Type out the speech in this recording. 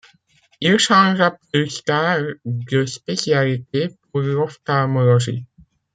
Il changea plus tard de spécialité pour l'ophtalmologie.